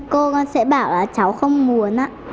cô con sẽ bảo là cháu không muốn ạ